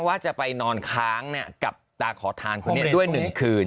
ว่าจะไปนอนค้างเนี่ยกับตาขอทานคนนี้ด้วยหนึ่งคืน